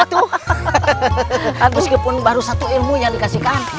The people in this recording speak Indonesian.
dan meskipun baru satu ilmu yang dikasihkan